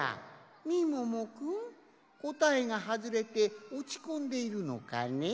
みももくんこたえがはずれておちこんでいるのかね？